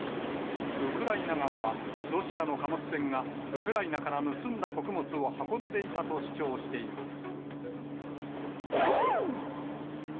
ウクライナ側は、ロシアの貨物船がウクライナから盗んだ穀物を運んでいたと主張しています。